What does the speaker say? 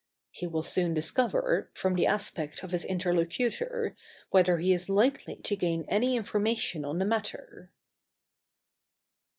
He will soon discover, from the aspect of his interlocutor, whether he is likely to gain any information on the matter.